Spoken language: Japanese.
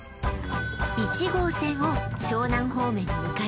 １号線を湘南方面に向かい